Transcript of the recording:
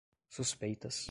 suspeitas